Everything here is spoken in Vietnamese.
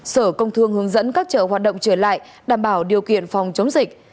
sở công thương hướng dẫn các chợ hoạt động trở lại đảm bảo điều kiện phòng chống dịch